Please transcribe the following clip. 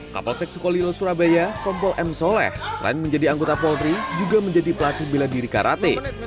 kapolsek sukolilo surabaya kompol m soleh selain menjadi anggota polri juga menjadi pelatih bela diri karate